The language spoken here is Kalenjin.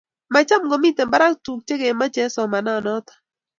Cham komiten barak tuguk chegemache eng somana noto